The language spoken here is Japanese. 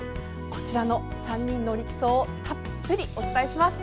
こちらの３人の力走たっぷりお伝えします。